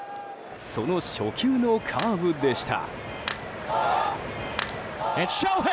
その初球のカーブでした。